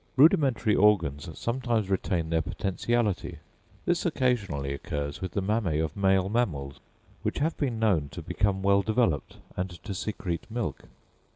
Rudimentary organs sometimes retain their potentiality: this occasionally occurs with the mammæ of male mammals, which have been known to become well developed and to secrete milk.